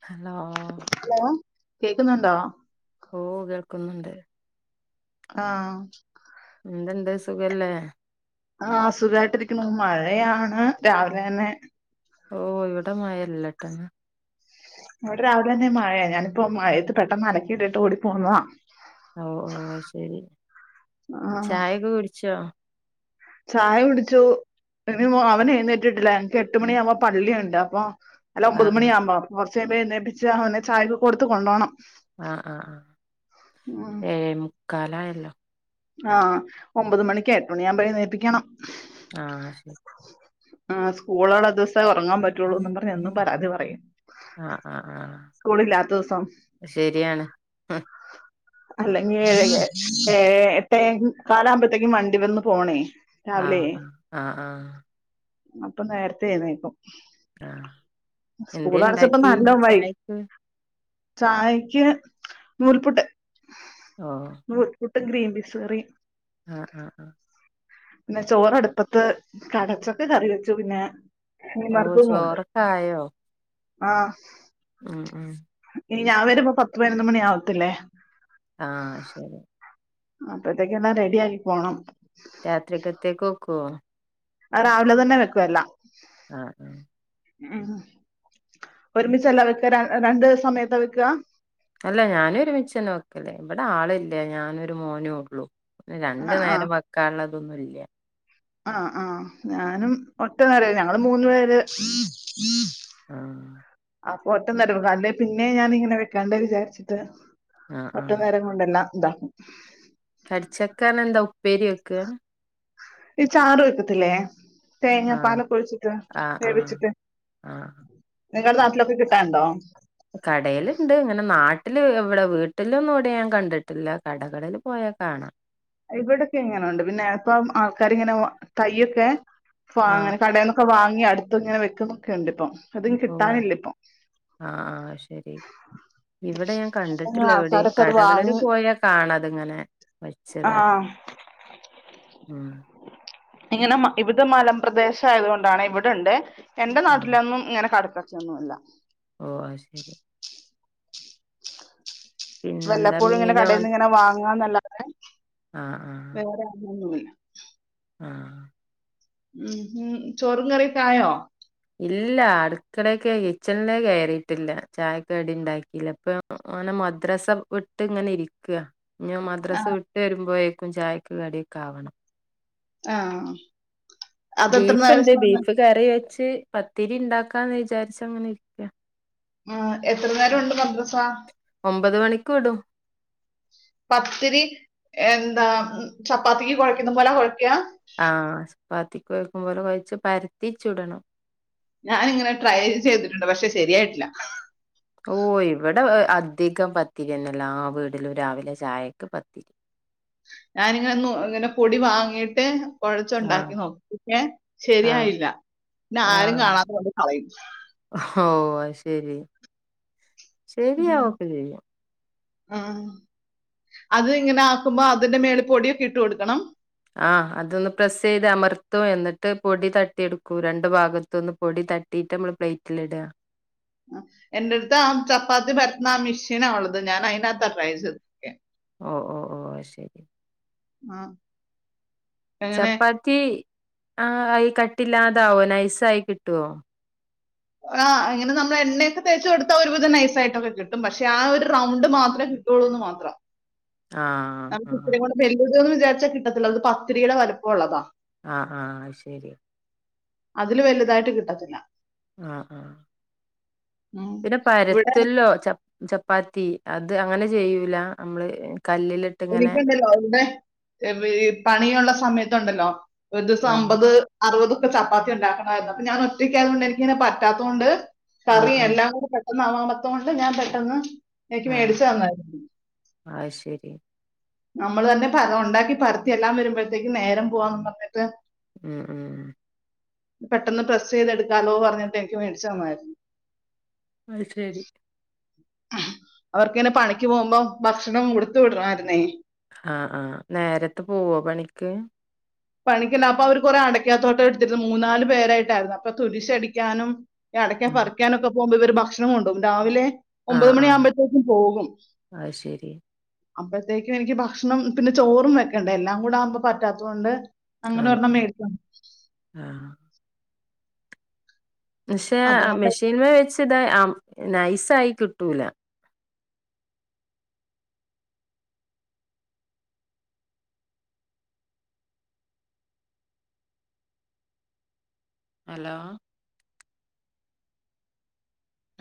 അല ഹലോ കേക്കുന്നുണ്ടോ ഓ കേൾക്കുന്നുണ്ട് ആഹ എന്തണ്ട് സുഖല്ലേ ആഹ സുഖായിട്ടിരിക്കുന്നു മഴയാണ് രാവിലെ തന്നെ ഓ ഇവിടെ മയല്ലേട്ടന്ന് അവിടെ രാവിലെ തന്നെ മഴയ ഞാനിപ്പോ മഴത്ത് പെട്ടെന്ന് അടക്കി ഇട്ടിട്ട് കൂടി പോന്നതാ ഓ ഓ ശരി ആഹ് ചായ കുടിച്ചു ഇനി അവന എഴുന്നേറ്റിട്ടില്ലേ എനിക്ക് എട്ട് മണി ആവുമ്പോ പള്ളിയുണ്ട് അപ്പൊ അല്ല ആ ഒമ്പത് മണി ആ്പോ പ്പിച്ചച്ച് അവനെ ചായക്ക് കൊടുത്ത കൊണ്ടുോണം ആഹ ആഹ് ആഹ് കലായല്ലോ ആഹ ഒമ്പത് മണിക്ക് എട്ട് മണി ആകുമ്പോഴേ ന നേൽപ്പിക്കണം ആ ശരി ആഹ് സ്കൂൾ റങ്ങാൻ പറ്റുള്ളൂന്ന് പറഞ്ഞഞ് എന്നും പരാതി പറയും ആ ആ ആ സ്കൂള ഇില്ലാത്ത ദിവസം ശരിയാണ് അല്ലെങ്കഏ ഏ [unintelligible] കാലാകുമ്പോഴത്തേക്കും വണ്ടി വന്ന് പോണേ ആ രാവിലെ ആ ആ അപ്പൊ നേരത്തെ എഴുന്നേക്കും ആ എന്ത സ്കൂൾ അടച്ചപ്പോ ഇണ്ടാക്കി നല്ല വൈ ചായക്ക് ചായക്ക് നൂൽപ്പുട്ട് ആ ക്രീംമ്പബീസ് കറി ആ ആ ന്നെ ചോറ്ടുപ്പത്ത് കടച്ചൊക്കെ കറി വെച്ചു പിന്നെ മീൻ ഓ ചോറക്ക ആയോ ആ [unintelligible] ഇനി ഞാൻ വരുമ്പോ പത്ത് പതിനൊന്ന് മണി ആാവത്തില്ലേ ആ ശരി അപ്പത്തേക്ക എന്നാ റെഡി ആക്കി പോണം രാത്രികത്തേക്ക്ൊക്കുവ രാവിലെ തന്നെ വെക്കല്ല ആ ആ ഉ ഒരുമിച്ച എല്ലാം വെക്ക രണ്ട് സമയത്താ വെക്ക അല്ല ഞാനും ഒരുമിച്ചം ക്കല്ലേ ഇവിടെ ആളില്ലേ ഞാനൊരു മോനേ ഉള്ളൂ ആഹ് രണ്ടു നേരം വെക്കാള്ളത് [unintelligible] ആ ആ ഞാനും ഒറ്റനേരം ഞങ്ങള് മൂന്നു പേര് [inaudible] ആപ്പൊ ഒറ്റ നേരം അല്ല പിന്നെ ഞാന ഇങ്ങനെ വെക്കാണ്ടേ വിചാച്ചിട്ട് ആഹ് ഒറ്റ ആഹ് നേരം കൊണ്ടല്ല [unintelligible] കടിച്ചക്കാണ് എന്താ ഉപ്പേരി [unintelligible] ഈ ചാറുവെക്കാതെല്ലേ തേങ്ങ ആഹ് പാലഒക്കെ ഓഴിച്ചിട്ട് ആഹ് ആഹ് വെവിച്ചിട്ട് ആഹ് നിങ്ങളുടെ നാട്ടിലൊക്കെ കിട്ടാണ്ടോ കടേല്ണ്ട് ഇങ്ങനെ നാട്ട വീട്ടില് എവിടെ വീട്ടിലൊന്നും ഇവിടെ ഞാൻ കണ്ടിട്ടില്ല കടകളിൽ പോയാൽ കാണാം ഇവിടെൊക്കെ ഇങ്ങനെുണ്ട് പിന്നെ എപ്പ ആൾക്കാരി ഇങ്ങനെ തയ്യൊക്കെ ആഹ് [unintelligible] കടന്നൊക്കെ വാങ്ങ ഇ അടുത്ത ഇങ്ങനെ വെക്കുന്നൊക്കെ ഉണ്ട് ഇപ്പം അത് ഓ കിട്ടാനില്ല ഇപ്പം ആഹ ശരി ഇവിടെ ഞാൻ കണ്ടിട്ടില്ല എവിടെ ആൾക്കാരൊക്കെ അത് കടകളില് വാങ്ങി പോയാ കാണതി ഇങ്ങനെ ആഹ ഉം ഇങ്ങനെ ഇവിടെ മലപ്രദേശം ആയത കൊണ്ടാണ് ഇവിടെണ്ട് എന്റെ നാട്ടിലന്നും ഇങ്ങനെ കടത്ത [unintelligible] ഓ അ ശരി പിന്നെന്താ വല്ലപ്പോഴും ഇങ്ങനെ മീനോ കടയിൽന്ന് ഇങ്ങനെ വാങ്ങാന്നല്ല അ ആഹ് വേറെഒന്നും ആഹ ഉം ഉ ചോറും കറിയൊക്കെ ആയോ ഇല്ല അടുളേക്കെ കിച്ചണിലേ കയറിയിട്ടില്ല ചായക്കെടി ഉണ്ടാക്കില്ല ഇപ്പൊ ഓനെ മദ്രസ വിട്ട് ഇങ്ങനെ ഇരിക്കാ ഞ ആ മദ്രാസ് വിട്ട് വരുമ്പോഴ ചായക്ക് കടിയക്കാവണം ആഹ ബീഫ്ണ്ട് ബീഫ് കറി ച്ച് പത്തിരി ഉണ്ടാക്കാന്ന് വിചാരിച്ച അങ്ങനെ ഇരിക്ക ആ എത്ര നേരംണ്ട് മദ്രസ ഒമ്പത് മണിക്ക് വിടും പത്തിരി എന്താ ചപ്പാത്തിക്ക് കൊഴക്കുന്ന പോലെ കൊഴ - ആഹ ചപ്പാത്തിക്ക കൊഴക്കുമ്പോലെ കൊ ഴച്ച് പരത്തിച്ചുടണം ഞാനിങ്ങനെ ട്രൈ ചെയ്തിട്ടുണ്ട് പക്ഷെ ശരിയായിട്ടില്ല ഓ ഇവിടെ അധികം പത്തിരിന്നല്ല എല്ലാ വീടിലും രാവിലെ ചായക്ക് പത്തിരി ഞാനിങ്ങനെ ഒ ഇങ്ങനെ പൊടി വാങ്ങിട്ട് കുഴച്ച ആഹ് ഉണ്ടാക്കി നോക്കും പക്ഷെ ആഹ് ശരിയായില്ല പിന്നെ ആരും ആഹ് കാണാത കൊണ്ട് കളയും ആപ്പോ ശരി ശരിയാവൊക്കെ ചെയ്യും ആ അത് ഇങ്ങനെ ആക്കുമ്പോ അതിന്റെ മേല് പൊടിയൊക്കെ ഇട്ട് കൊടുക്കണം ആ അതൊന്ന് പ്രെസ്സ് ചെയ്ത് അമർത്തും എന്നിട്ട് പൊടി തട്ടിയെടുക്കൂ രണ്ടു ഭാഗത്തൊന്ന് പൊടി തട്ടിട്ട് നമ്മള് പ്ലേറ്റിൽ ഇടുക ആ എന്റെ അടുത്ത് ആ ചപ്പാത്തി പരത്തുന്ന ആ മിഷീനാ ഉള്ളത് ഞാൻ അയിനകത്ത ട്രൈ ചെയ്തോതെക്കെ ഓ ഓ ഓ ശരി ആ. അങ്ങനെ ചപ്പാത്തി ആ യി കട്ടില്ലാതാവോ നൈസയി കിട്ടുവോ ആ അങ്ങനെ നമ്മൾ എണ്ണയൊക്കെ തേച്ചു കൊടുത്താ ഒരുവിധം നൈസ ആയിട്ടൊക്കെ കിട്ടും പക്ഷെ ആ ഒരു റൗണ്ട് മാത്രമേ കിട്ടുള്ളൂന്ന് മാത്രം ആഹ് ആഹ് അതന്ന വിചാരിച്ച കിട്ടത്തില്ല അത് പത്തിരിയുടെ വലപ്പമള്ളതാ ആഹ ആഹ് ശരി അതില് വലുതായിട്ട് കിട്ടത്തില്ല ആഹ ആഹ ഉം. പിന്നെ ഇവിടെ പരത്തെല്ലോ ചപ്പാത്തി അത് അങ്ങനെ ചെയ്യൂല നമ്മള് കല്ലിലിട്ട് ഇങ്ങനെ എിക്കണ്ടല്ലോ അവവിടെ പണിയുള്ള സമയത്ത് ഇണ്ടല്ലോ ഒരു ദിവസം ആഹ് അമ്പത് അറുപത് ചപ്പാത്തി ഉണ്ടാക്കണായിരുന്നു അപ്പൊ ഞാ ഒറ്റയ്ക്കായയത കൊണ്ട് എനിക്ക് ഇനെ പറ്റാത്തത്ൊണ്ട് ആഹ് കറിയ ആഹ് എല്ലാം കൂടെ ഒന്നാവാമത്തം കൊണ്ട് ഞാൻ പെട്ടെന്ന് എനിക്ക് മേടിച്ചു തന്നായിരുന്നു ആഹ് അത് ശരി നമ്മള് തന്നെ ഉണ്ടാക്കി പരത്തി എല്ലാം വരുമ്പോഴത്തേക്ക് നേരം പോവാന്ന് പറഞ്ഞിട്ട് ഉം ഉം പെട്ടെന്ന് പ്രസ് ചെയ്തെടുക്കാലോ പറഞ്ഞിട്ട് എനിക്ക് മേടിച്ച തന്നമായിരുന്നു അ ശരി അവർക്കങ്ങനെ പണിക്ക് പോകുമ്പോ ഭക്ഷണം ഉടുത്ത വിടണമായിരുന്നേ ആഹ് ആഹ് നേരത്തെ പോവോ പണിക്ക് പണിക്കണ്ട അപ്പൊ അവര് കൊറെ അടക്കാത്തോട്ടം എടുത്തിരുന്നു മൂന്നാല് പേരായിട്ടായിരുന്നു അപ്പൊ തുലശടിക്കാനും ടക്കൻ ആഹ് പറിക്കാനൊക്കെ പോക്പോ ഇവര് ഭക്ഷണംണ്ടും രാവിലെ ഒമ്പത് ആഹ് മണിയാുമ്പോത്തേക്കും പോകും അത് ശരി അപ്പഴത്തേക്കും എനിക്ക് ഭക്ഷണം പിന്നെ ചോറും വെക്കണ്ട എല്ലാം കൂടെ ആവുമ്പോ പറ്റാത്തതുകൊണ്ട് അങ്ങനെ ആഹ് ഒരെണ്ണം മേരിക്ക ആഹ് പക്ഷെ അതുകൊണ്ട് മെഷീൻമ വെച്ച് ഇതാ നൈസ ആായി കിട്ടൂല ഹലോ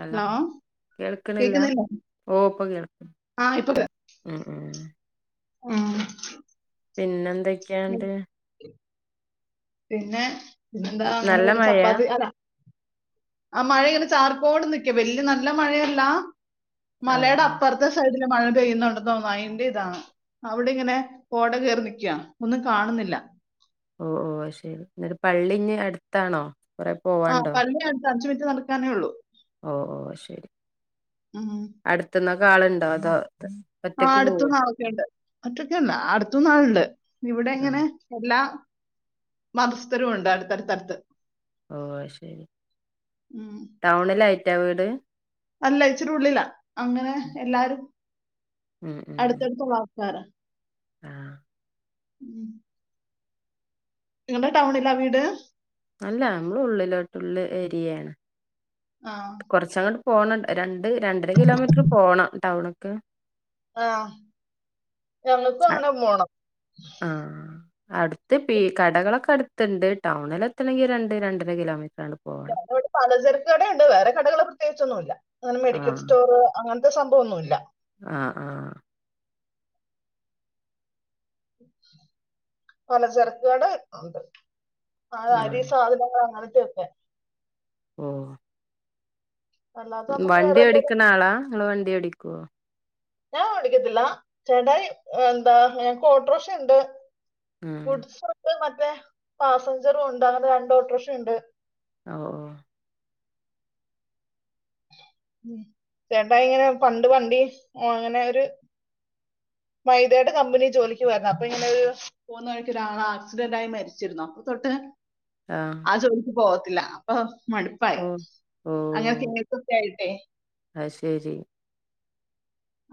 അല്ല ഹലോ കേൾക്കണില്ല കേൾക്കുന്നില്ല ഓപ്പൊ കേൾക്ക ഉ ഉ ആഹ പിന്നെ എന്ത ക്കണ്ട് പിന്നെ പിന്നെന്താ അങ്ങനെ നല്ല പോണ മഴയാ ചപ്പാത്തി അതാ ആ മഴ ഇങ്ങനെ ചാർക്കോട് നിക്ക വല്ിയ നല്ല മഴയല്ല ആഹ് മലയായുടെ ആഹ് അപ്പറത്തെ സൈഡ മഴ പെയ്യുന്നുണ്ടെന്നോന്നുന്നു അയിന്റെ ഇതാണ് അവിടെ ഇങ്ങനെ പോട കയറി നിക്കുവ ഒന്നും കാണുന്നില്ല ഓ ഓ ശരി എന്നട്ട് പള്ളി അടുത്താണോ കൊറെ പോവാണ്ടോ അഞ്ച് മിനിറ്റ് നടക്കാനേ ഉള്ളൂ ഓ ഓ ശരി ഉം. അടുത്ത് ന്നാ കാളുണ്ടോ അതോ ആ ഒറ്റക്ക് അടുത്ത് പോവോ ന്നാളോക്കെയുണ്ട് ഒറ്റയ്കല്ല അടുത്തു ന്നാളുണ്ട് ഇവിടെ ആഹ് ഇങ്ങനെ എല്ലാ മതസ്ഥരും ഉണ്ട് അടുത്തടുത്തടുത്ത് ഓ ശരി ഉം. ടൗണിലായി റ്റാ വീട് അല്ല ഇച്ചിരി ഉള്ളിലാ അങ്ങനെ എല്ലാരും അടുത്തടുത് ഉള്ള [unintelligible] ആ ഉം നിങ്ങള്ടെ ടൗണിലാ വീട് അല്ല നമ്മള് ഉള്ളിലോ ഉള്ള് ഏരിയേണ് ആ കുറച്ചങ്ങട് പോണണ്ട് രണ്ട് രണ്ടര കിലോമീറ്റർ പോകണം ടൗണ് ക്ക് ആ ഞങ്ങക്കും അങ്ങനെ പോണം ആഹ് അടുത്ത് പീ കടകളൊക്കെ അടു ത്ത്ണ്ട് ടൗണില് എത്തണെങ്കിൽ രണ്ട് രണ്ടര കിലോമീ [unintelligible] ഇവിടെ പലചരക്ക് കടെണ്ട് വേറെ കടകൾ പ്രത്യേകിച്ചൊന്നുല്ല അങ്ങനെ മെഡിക്കൽ സ്റ്റോർ അങ്ങ ൻത്തെ സംഭവൊന്നും ഇല്ല ആ ആ പല ചരക്ക് കട ഉണ്ട് ആ അരി ആഹ് സാധനങ്ങൾ അങ്ങനെ ത്തൊക്കെ ഉം അല്ലാതെ നമുക്ക് വേറെ വണ്ടി എന്തെങ്കിലും ഓടിക്ണ ആളാ ഇങ്ങള് വണ്ടി ഓടിക്കോ ഞാൻ ഓടിക്കത്തില്ല ചേട്ടായി എന്താ ഞങ്ങക്ക് ഓട്ട്രോശ ഉണ്ട് ഉം ഗുഡ്സ് ഒക്കെ മ റ്റെ പാസഞ്ചറും ഉണ്ട് അങ്ങനത്തെ രണ്ട് ഓട്ടോറിക്ഷുണ്ട് ഓ ഓ ഉ ചേട്ടാ ഇങ്ങനെ പണ്ട് വണ്ടി അങ്ങനെ ഒരു മൈതയുടെ കമ്പനി ജോലിക്ക് പോയിരുന്നു അപ്പൊ ഇങ്ങനെ ഒരു പോന്ന വഴിക്ക് ഒരാള ആക്സിഡന്റ് ആയി മരിച്ചിരുന്നു അപ്പൊ തൊട്ട് ഓഹ് ആഹ് ആജോക്ക് പോോ അപ്പൊ മടുപ്പായ അങ്ങനെക്കങ്ങക്കൊക്കെ ആ അ ശരി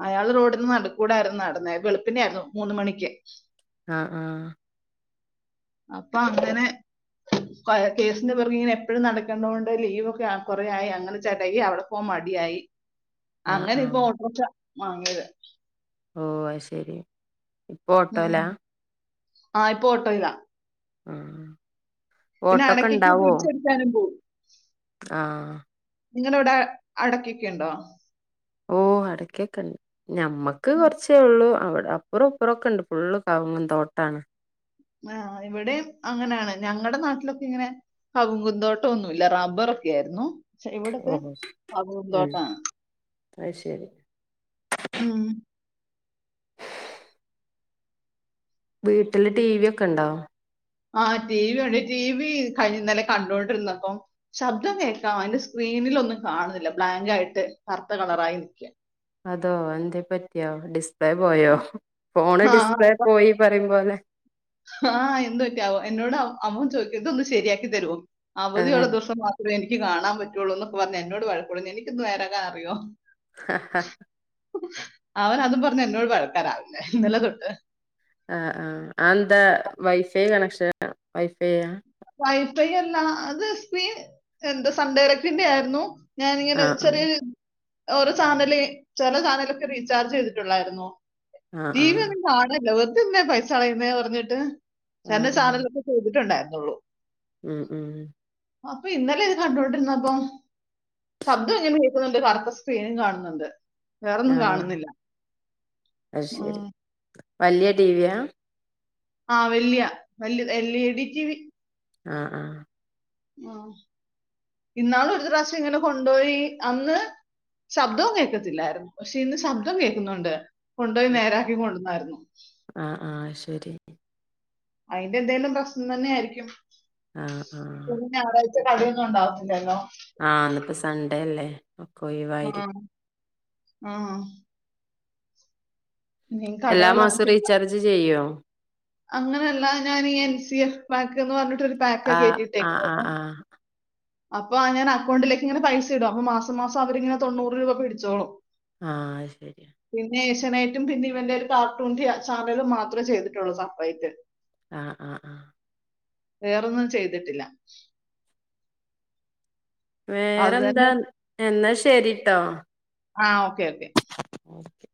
അയാൾ റോഡിൽ നിന്ന് നടു കൂടായിരുന്നു നടന്ന വെളുപ്പിന്റെ ആായിരുന്നു മൂന്ന മണിക്ക് ആ ആ അപ്പൊ അങ്ങനെ കേസിന്റെ പിറകെ ഇങ്ങനെ എപ്പഴും നടക്കണ്ടത കൊണ്ട് ലീവൊക്കെ കൊറയായി അങ്ങനെ ചേട്ടാക്കി അവിടെ പോ മടിയായി ആഹ് അങ്ങനെ ഇപ്പൊ ആഹ് ഓട്ട വങ്ങത ഓ ശരി ഇപ്പൊ ഉം ഓട്ടോലാ ആ ഇപ്പൊ ഓട്ടോ ഇയിലാ ആ പിന്നെ അടക്കക്ക് തിരിച്ചടിക്കാനും പോകവും ആ നിങ്ങള ഇവിടെ അടക്കൊക്കെ ഉണ്ടോ ഓ അടക്ക കണ്ടി ഞമ്മക്ക് കുറച്ചേ ഉള്ളൂ അവിടെ അപ്പുറം അപ്പുറംൊക്കെ ഉണ്ട് ഫുള്ള് കങ്ങും തോട്ടാണ് ആ ഇവിടെയും അങ്ങനെയാണ് ഞങ്ങളുടെ നാട്ടിലൊക്കെ ഇങ്ങനെ കകങ്കുന്തോട്ടം ഒന്നുമല്ല റബ്ബറ ഒക്കെ ആായിരുന്നു പക്ഷ ഇവിടത്തെ ഓഹോ ഉം പൂന്തോട്ടാണ് അത് ശരി ഉ ഉ വീട്ടില് ടി വി ഒക്കെ ഉണ്ടോ ആ് ടി വി വണ്ട ടി വി കഴിഞ്ഞന്നലെ കണ്ടോൊണ്ടിരുന്നപ്പം ശബ്ദം കേൾക്കാം അതിന്റെ സ്ക്രീനിലൊന്നും കാണുന്നില്ല ബ്ലാങ് ആയിട്ട് കറുത്ത കളറായി നിൽക്കുക അതോ എന്തേ പറ്റിയോ ഡ ഡിസ്പ്ലേ പോയോ ഫോണ് ആ ഡിസ്പ്ലേ പോയി പറയും പോോലെ ആ എന്ത പറ്റാവോ എന്നോട് അമ്മൻ ചോദക്കിയത് ഒന്ന് ശരിയാക്കി തരുോ ആഹ് അവധിയുള്ള ദോഷം മാത്രമേ എ കാണാൻ പറ്റുള്ളൂ എന്നക്കെ പറഞ്ഞ എന്നോട്ഴക്കമുള്ള എനിിക്കക്ക്ന്ന് വരാാൻ അറിയോ ആ അവൻ അതും പറഞ്ഞഞ് എന്നോട് പഴക്കൻാവില്ലെ ഇന്നല തൊണ്ട്് ആ ആ അന്ത വൈഫൈ കണക്ഷക്ഷൻ വൈഫൈ വൈഫൈ അല്ല അത് സ്ക്രീൻ എന്താ സഡരക്കിന്റെ ആയിരുന്നു ഞാാനിങ്ങനെ ആഹ് ചെറിയൊരു ഓരോ ചാനല ചില ചാനലൊക്കെ റീചാർജ് ചെയ്തിട്ടുള്ളായിരുന്നു ആഹ് ടിീ വി ആഹ് അങ്ങ നാടല്ല ന്നെ പൈസ അളയുന്നേ പറഞ്ഞിട്ട് ആഹ് ച ആഹ് ആഹ് സാധനിലൊക്കെ ചെയ്തിട്ടുണ്ടായിരുന്നു ഉ ഉം ഉം അപ്പൊ ഇന്നലെ ഇത് കണ്ടൊണ്ടിരുന്നപ്പം ശബ്ദം ഇങ്ങനെ കേൾക്കുന്നുണ്ട് കറുത്ത സ്ക്രീനും കാണുന്നുണ്ട് വേറൊന്നും ആഹ് കാണുന്നില്ല അത് ഉ ശരി വലിയ ടടിവിയാ ആഹ വല്യ വല് L E D T V ആഹ ആഹ ഉ ഇന്നാള ഒരു പ്രാവശ്യം ഇങ്ങനെ കൊണ്ടുപോയി അന്ന് ശബ്ദവും കേൾക്കത്തില്ലായിരുന്നു പക്ഷെ ഇന്ന് ശബ്ദം കേൾക്കുന്നുണ്ട് കൊണ്ടപോയി നേരാക്കി കൊണ്ടുവന്നായിരുന്നു ആ ആഹ ശരി അതിന്റെ എന്തെങ്കലും പ്രശ്നം തന്നെ ആായിരിക്കും ആഹ ആഹ കളിയൊന്നും ഉണ്ടാവില്ലല്ലോ ആഹ് അപ്പൊ സ അതല്ലേ ഒക്ക ഒയവായിരിക്കും ആഹ ഇ എല്ലാ മാസവും കടളാത്തില്ല റീചാർജ് ചെയ്യോ അങ്ങനെയല്ല ഞാനീ എൻ സ ബാക്ക എന്ന് പറഞ്ഞു ആഹ് ആഹ് ആഹ ആഹ് അപ്പൊ ആ ഞാൻ അക്കൗണ്ടിലേക്ക് ഇങ്ങനെ പൈസ ഇടും അപ്പൊ മാസംസം അവരിങ്ങനെ തൊണ്ണൂറ് രൂപ പിടിച്ചോളും ആഹ ശരിയ അച്നായിട്ടും പിന്നെ ഇവന്റെ ഒരു കാർട്ടൂൺ ചാർണല മാത്രേ ചെയ്തിട്ടുള്ളൂ സർപ്പൈ് ആഹ് ആഹ് ആഹ വേറൊന്നും ചെയ്തിട്ടില്ല അത് തന്നെ വേറെന്താ എന്നാ ശരിട്ടോ ആ ഓക്കേ ഓക്കെ ഓക്കെ